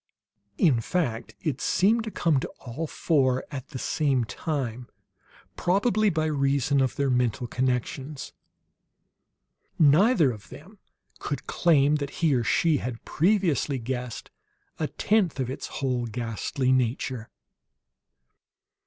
In fact, it seemed to come to all four at the same time, probably by reason of their mental connections. Neither of them could claim that he or she had previously guessed a tenth of its whole, ghastly nature.